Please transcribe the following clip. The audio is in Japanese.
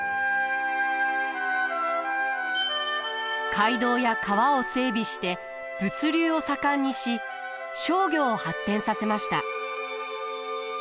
街道や川を整備して物流を盛んにし商業を発展させました。